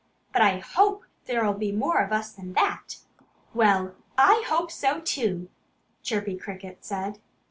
But I HOPE there'll be more of us than that." "Well, I hope so, too," Chirpy Cricket said.